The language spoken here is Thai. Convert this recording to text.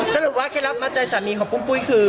สรุปว่าคลิตรับมาตรายสามีของปุ้งปุ้ยคือ